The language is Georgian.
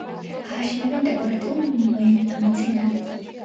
აშენებენ დეკორატიულ მცენარედ.